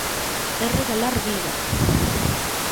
É regalar vida.